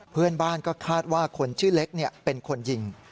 เพื่อนบ้านก็คาดว่าคนชื่อเล็กเป็นคนยิง